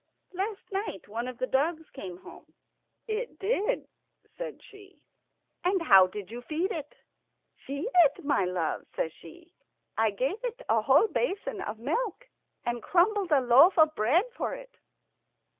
"Last night one of the dogs came home." "It did," says she. "And how did you feed it?" "Feed it, my love?" says she. "I gave it a whole basin of milk, and crumbled a loaf of bread for it."